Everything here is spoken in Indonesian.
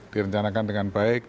direncanakan dengan baik